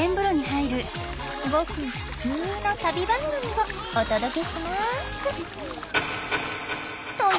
ごくふつうの旅番組をお届けします。